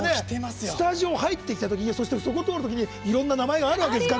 スタジオ入ってきたときとかそこを通る時にいろんな名前があるわけです。